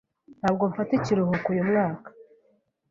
Ntabwo mfata ikiruhuko uyu mwaka.